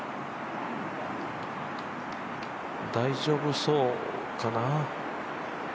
大丈夫そうかな。